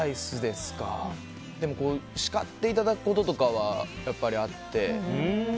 でも、叱っていただくこととかはやっぱり、あって。